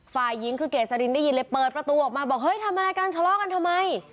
ฝ่ายหญิงคือเกษรินได้ยินเลยเปิดประตูออกมาบอกเฮ้ยทำอะไรกันทะเลาะกันทำไม